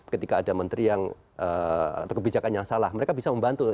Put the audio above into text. ketika ada menteri yang atau kebijakan yang salah mereka bisa membantu